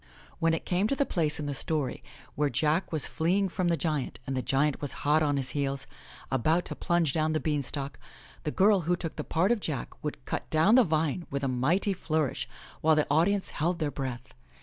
When it came to the place in the story where Jack was fleeing from the giant and the giant was hot on his heels, about to plunge down the beanstalk, the girl who took the part of Jack would cut down the vine with a mighty flourish while the audience held their breath.